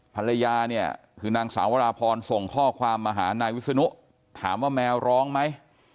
ภรรยาเนี่ยคือนางสาววราพรส่งข้อความมาหานายวิศนุถามว่าแมวร้องไหม